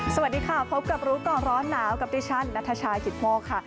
สวัสดีค่ะพบกับรู้ก่อนร้อนหนาวกับดิฉันนัทชายกิตโมกค่ะ